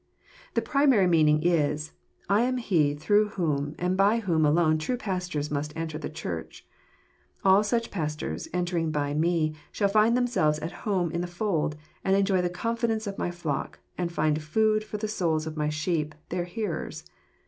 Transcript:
"— The primary meaning is, "I am He throu gh w hom and by whom alone true pastors must enter ^e Churcin All such pas tors, entering by Me, shall find themselves at home in the fold, and enjoy the confidence of my fiock, and find food for the souls of my sheep, their hearers."